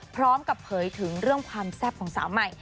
พร้อมกับเผยถึงเรื่องความแซ่บของสาวใหม่